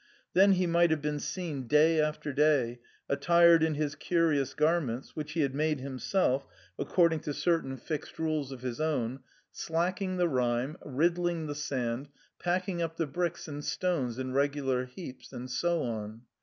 Then he might have been seen day after day, attired in his curious garments (which he had made himself according to certain fixed 2 THE CREMONA VIOLIN. rules of his own), slacking the lime, riddling the sand, packing up the bricks and stones in regular heaps, and so on.